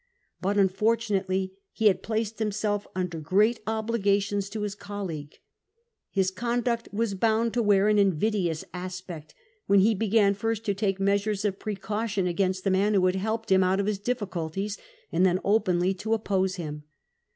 But unfortunately he had placed himself under great obligations to his colleague ; his conduct was bound to wear an invidious aspect when he began first to take measures of precaution against the man who had helped him out of his difficulties, and then openly to oppose him.